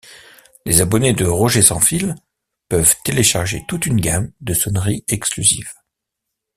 Les abonnés de Rogers Sans fil peuvent télécharger toute une gamme de sonneries exclusives.